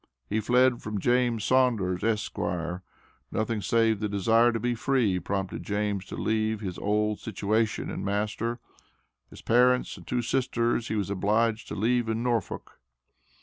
He fled from James Saunders, Esq. Nothing, save the desire to be free, prompted James to leave his old situation and master. His parents and two sisters he was obliged to leave in Norfolk."